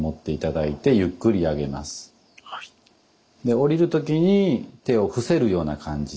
下りる時に手を伏せるような感じで。